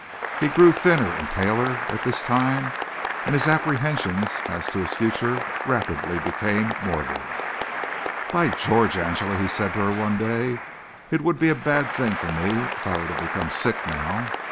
He grew thinner and paler at this time and his apprehensions as to his future rapidly became morbid. "By George! Angela," he said to her one day, "it would be a bad thing for me if I were to become sick now.